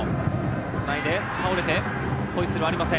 繋いで、倒れて、ホイッスルはありません。